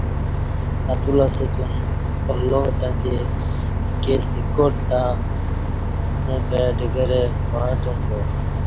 اتولسہ تم اللہ تہ دےایکےستہ کاٹ تہ اوں کئ ڈگرہ وعں تم با